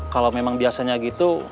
kalau memang biasanya gitu